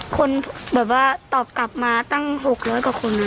คนแบบว่าตอบกลับมาตั้ง๖๐๐กว่าคน